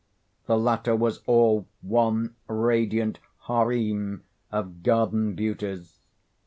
The latter was all one radiant harem of garden beauties.